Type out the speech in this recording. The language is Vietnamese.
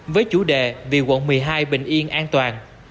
với chủ đề vì quận một mươi hai bình yên an toàn